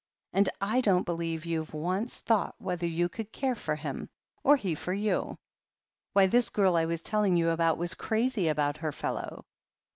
And I don't believe you've once thought whether you could care for him, or he for you. Why, this girl I was telling you about was crazy about her fellow.